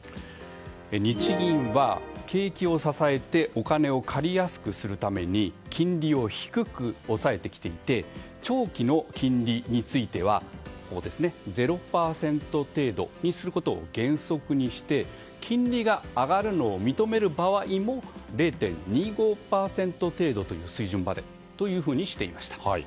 日銀は景気を支えてお金を借りやすくするために金利を低く抑えてきていて長期の金利については０％程度にすることを原則にして金利が上がるのを認める場合も０．２５％程度という水準までとしていました。